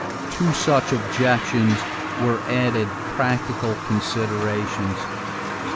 To such objections were added practical considerations.